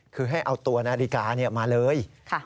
คือให้เอาตัวนาฬิกามาเลย